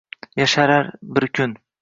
Yasharar bir kun.